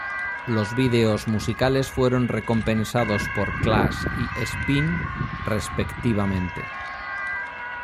Los videos musicales fueron recompensados por "Clash" y "Spin", respectivamente.